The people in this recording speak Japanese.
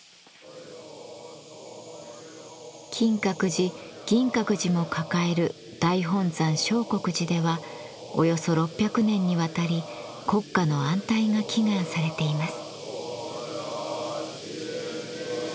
金閣寺銀閣寺も抱える大本山相国寺ではおよそ６００年にわたり国家の安泰が祈願されています。